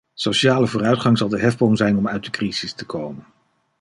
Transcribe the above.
Sociale vooruitgang zal de hefboom zijn om uit de crisis te komen.